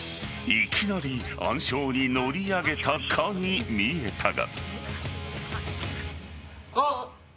いきなり暗礁に乗り上げたかに見えたが。